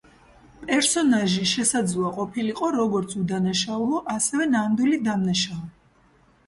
პერსონაჟი შესაძლოა ყოფილიყო, როგორც უდანაშაულო, ასევე ნამდვილი დამნაშავე.